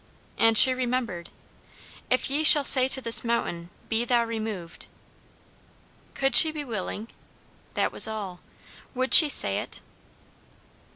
And she remembered: "If ye shall say to this mountain, Be thou removed." Could she be willing? that was all. Would she say it?